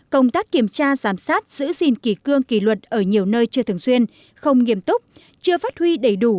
công tác kiểm tra giám sát giữ gìn kỳ cương kỳ luật ở nhiều nơi chưa thường xuyên không nghiêm túc chưa phát huy đầy đủ